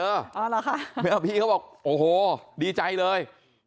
พี่เขาอยากเจอเพราะพี่เขาบอกโอ้โหดีใจเลย